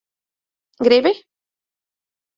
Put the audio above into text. Gribi?